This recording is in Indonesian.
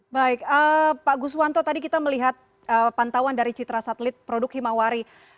baik pak guswanto tadi kita melihat pantauan dari citra satelit produk himawari